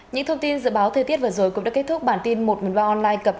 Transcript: nhiều tỉnh nam bộ ngày hai mươi một và ngày hai mươi hai mưa rào vài nơi